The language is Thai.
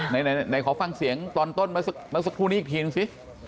ไหนขอฟังเสียงตอนต้นเมื่อสักครู่นี้อีกทีนึงสิ